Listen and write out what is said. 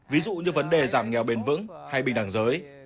ví dụ như vấn đề giảm nghèo bền vững hay bình đẳng giới